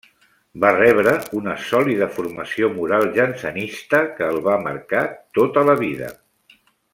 Va rebre una sòlida formació moral jansenista que el va marcar tota la vida.